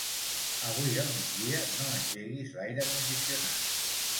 Avui al migdia no engeguis l'aire condicionat.